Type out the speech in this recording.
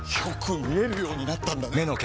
よく見えるようになったんだね！